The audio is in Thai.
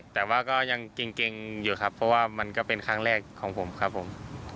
แต่ว่าก็ยังเก่งอยู่ครับเพราะว่ามันก็เป็นครั้งแรกของผมครับผม